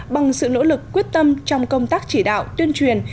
bằng sự nỗ lực quyết tâm trong công tác chỉ đạo tuyên truyền